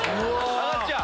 上がっちゃう？